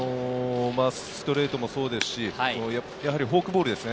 ストレートもやはりフォークボールですね。